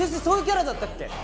そういうキャラだったっけ？